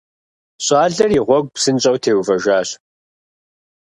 ЩӀалэр и гъуэгу псынщӀэу теувэжащ.